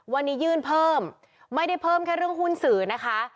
วันนี้ยื่นเพิ่มไม่ได้เพิ่มแค่เรื่องหุ้นสื่อนะคะ